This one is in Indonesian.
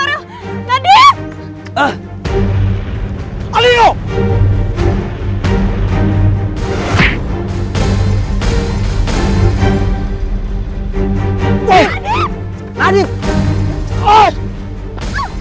kenapa jadi kayak gini sih farel